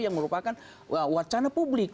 yang merupakan wacana publik